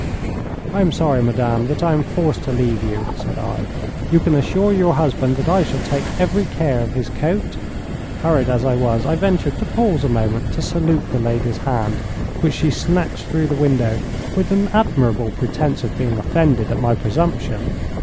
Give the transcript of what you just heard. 'I am sorry, madame, that I am forced to leave you,' said I. 'You can assure your husband that I shall take every care of his coat.' Hurried as I was, I ventured to pause a moment to salute the lady's hand, which she snatched through the window with an admirable pretence of being offended at my presumption.